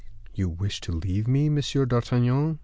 "You wish to leave me, Monsieur d'Artagnan?"